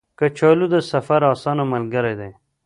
کچالو د سفر اسانه ملګری دی